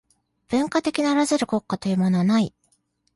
文化的ならざる国家というものはない。